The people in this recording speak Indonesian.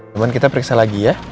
namun kita periksa lagi ya